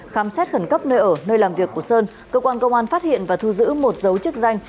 khám xét khẩn cấp nơi ở nơi làm việc của sơn cơ quan công an phát hiện và thu giữ một dấu chức danh